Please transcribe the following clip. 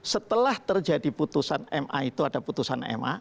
setelah terjadi putusan ma itu ada putusan ma